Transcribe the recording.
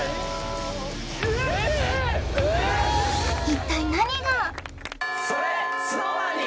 一体何が？